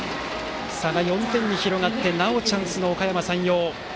差が４点に広がってなおチャンスのおかやま山陽。